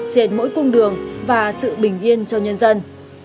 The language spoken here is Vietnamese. trên mỗi cung đường và sự bình yên cho nhân dân